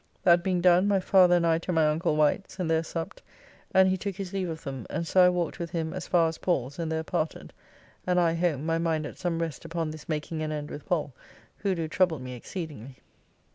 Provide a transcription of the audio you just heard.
That being done, my father and I to my uncle Wight's, and there supped, and he took his leave of them, and so I walked with [him] as far as Paul's and there parted, and I home, my mind at some rest upon this making an end with Pall, who do trouble me exceedingly.